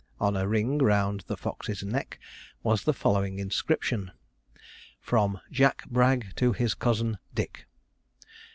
On a ring round the fox's neck was the following inscription: 'FROM JACK BRAGG TO HIS COUSIN DICK.'